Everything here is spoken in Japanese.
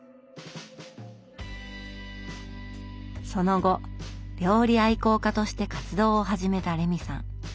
その後料理愛好家として活動を始めたレミさん。